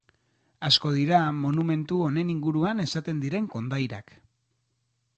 Asko dira monumentu honen inguruan esaten diren kondairak.